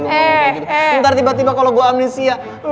ntar tiba tiba kalau gue amnesia